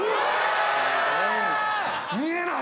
見えない。